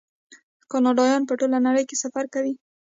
کاناډایان په ټوله نړۍ کې سفر کوي.